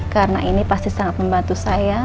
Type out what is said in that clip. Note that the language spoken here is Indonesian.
karena ini pasti sangat membantu saya